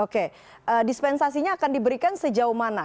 oke dispensasinya akan diberikan sejauh mana